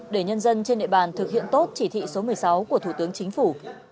để nhân dân trên địa bàn thực hiện tốt chỉ thị số một mươi sáu của thủ tướng chính phủ